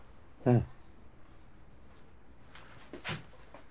うん。